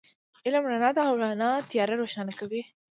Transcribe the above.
علم رڼا ده، او رڼا تیار روښانه کوي